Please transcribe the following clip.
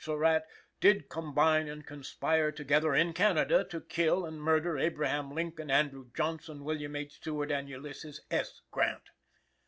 Surratt did combine and conspire together in Canada to kill and murder Abraham Lincoln, Andrew Johnson, Wm. H. Seward and Ulysses S. Grant."